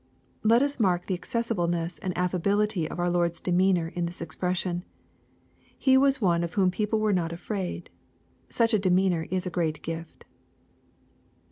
Let us mark the accessibleness and affability of our Lord's de meanor in this expression. He was one of whom people were not afraid. Such a demeanor ib a great gifl.